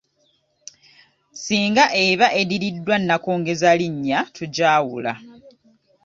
Singa eba eddiriddwa nnakongezalinnya tugyawula.